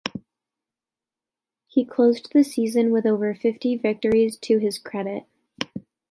He closed the season with over fifty victories to his credit.